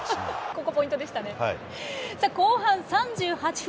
後半３８分。